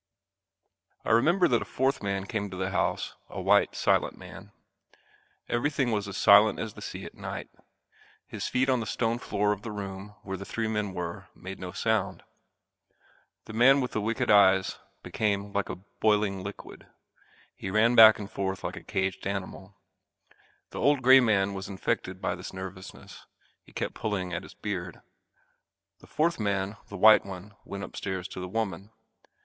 I remember that a fourth man came to the house, a white silent man. Everything was as silent as the sea at night. His feet on the stone floor of the room where the three men were made no sound. The man with the wicked eyes became like a boiling liquid he ran back and forth like a caged animal. The old grey man was infected by his nervousness he kept pulling at his beard. The fourth man, the white one, went upstairs to the woman.